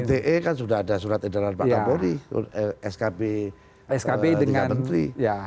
ite kan sudah ada surat edaran pak kabarres skp tiga menteri